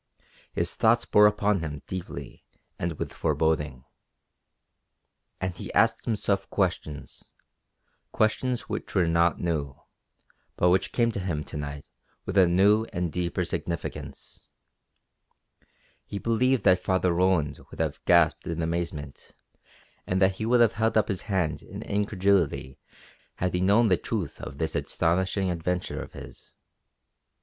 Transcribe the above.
His thoughts bore upon him deeply and with foreboding. And he asked himself questions questions which were not new, but which came to him to night with a new and deeper significance. He believed that Father Roland would have gasped in amazement and that he would have held up his hands in incredulity had he known the truth of this astonishing adventure of his.